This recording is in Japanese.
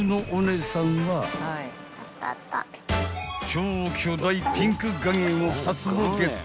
［超巨大ピンク岩塩を２つもゲット］